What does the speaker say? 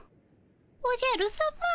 おじゃるさま。